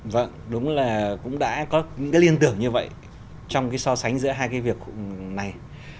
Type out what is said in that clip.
vâng đúng là cũng đã có những liên tưởng như vậy trong so sánh giữa hai cái việc này